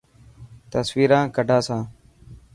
تصويران ڪڌا سان.